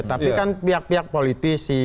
tapi kan pihak pihak politisi